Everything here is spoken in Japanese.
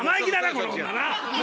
この女な！